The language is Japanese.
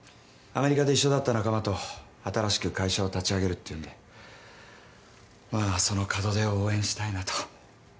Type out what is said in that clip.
アメリカで一緒だった仲間と新しく会社を立ち上げるっていうんでまあその門出を応援したいなと。